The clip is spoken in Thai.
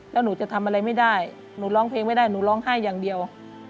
แล้วหนูจะทำอะไรไม่ได้หนูร้องเพลงไม่ได้หนูร้องไห้อย่างเดียว